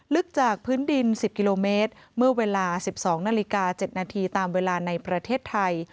ลึกจากพื้นดิน๑๐กิโลเมตรเมื่อเวลา๑๒นาฬิกา๗นาทีตามเวลาในประเทศไทย